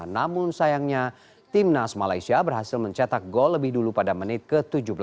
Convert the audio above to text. namun sayangnya timnas malaysia berhasil mencetak gol lebih dulu pada menit ke tujuh belas